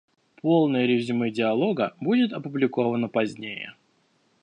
Полное резюме Диалога будет опубликовано позднее.